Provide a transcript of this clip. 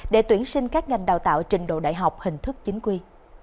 để tuyển sinh các ngành đào tạo trình độ đại học hình thức chính quy